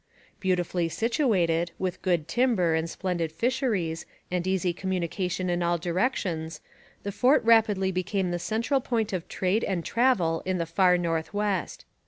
Beautifully situated, with good timber and splendid fisheries and easy communication in all directions, the fort rapidly became the central point of trade and travel in the far north west.